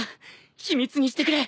秘密にしてくれ。